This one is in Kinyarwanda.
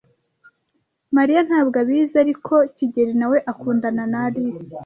Mariya ntabwo abizi, ariko kigeli nawe akundana na Alice.